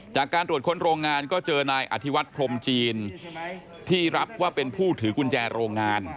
จากการตรวจค้นโรงงานก็เจอนายอธิวัฒน์พรมจีนที่รับว่าเป็นผู้ถือกุญแจโรงงาน